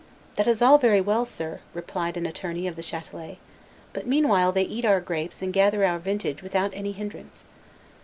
"That is all very well, sir," replied an attorney of the Chatelet, "but meanwhile they eat our grapes and gather our vintage without any hinderance."